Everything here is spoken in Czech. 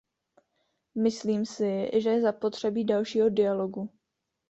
Myslím si, že je zapotřebí dalšího dialogu.